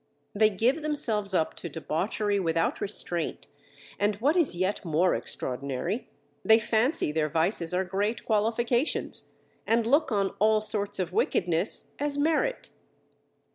They give themselves up to debauchery without restraint, and what is yet more extraordinary, they fancy their vices are great qualifications, and look on all sorts of wickedness as merit.